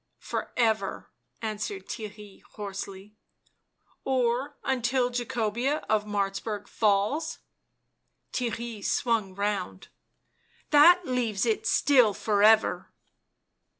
" For ever," answered Theirry hoarsely. " Or until Jaeobea of Martzburg falls." Theirry swung round. " That leaves it still for ever."